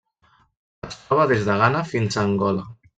Es troba des de Ghana fins a Angola.